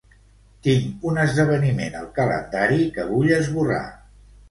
Tinc un esdeveniment al calendari que vull esborrar.